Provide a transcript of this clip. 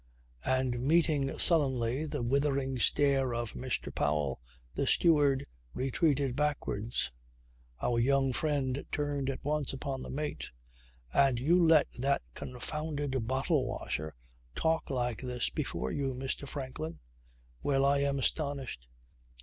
And meeting sullenly the withering stare of Mr. Powell the steward retreated backwards. Our young friend turned at once upon the mate. "And you let that confounded bottle washer talk like this before you, Mr. Franklin. Well, I am astonished."